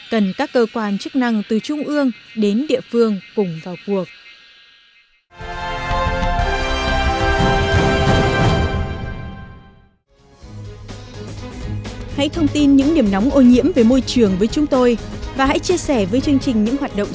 cần các cơ quan chức năng từ trung ương đến địa phương cùng vào cuộc